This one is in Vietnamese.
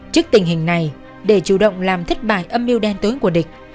trước tình hình này để chủ động làm thất bại âm mưu đen tối của địch